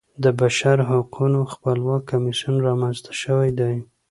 د بشرحقونو خپلواک کمیسیون رامنځته شوی دی.